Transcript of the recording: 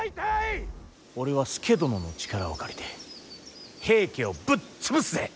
俺は佐殿の力を借りて平家をぶっ潰すぜ。